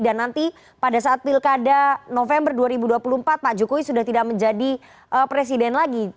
dan nanti pada saat pilkada november dua ribu dua puluh empat pak jokowi sudah tidak menjadi presiden lagi